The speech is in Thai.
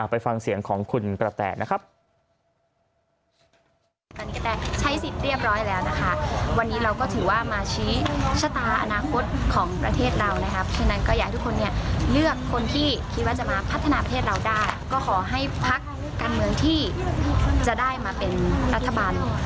ไปฟังเสียงของคุณกระแตนะครับ